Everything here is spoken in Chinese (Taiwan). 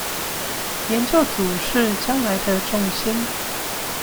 研究組是將來的重心